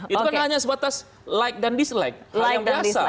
itu kan hanya sebatas like dan dislike